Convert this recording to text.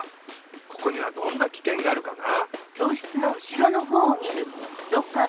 ここにはどんなキケンがあるかな？